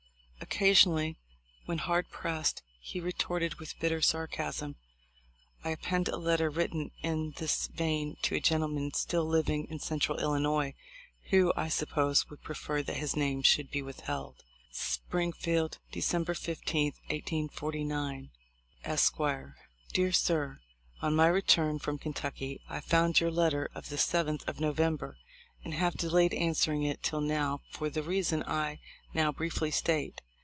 Occasionally, when hard pressed, he retorted with bitter sarcasm. I append a letter written in this vein to a gentleman still living in central Illinois, who, I suppose, would prefer that his name should be withheld: "Springfield, Dec. 15, 1849. " Esq. "Dear Sir: "On my return from Kentucky I found your let ter of the 7th of November, and have delayed answering it till now for the reason I now briefly state.